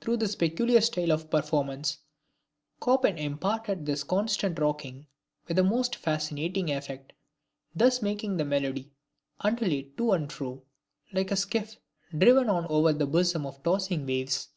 Through his peculiar style of performance, Chopin imparted this constant rocking with the most fascinating effect; thus making the melody undulate to and fro, like a skiff driven on over the bosom of tossing waves.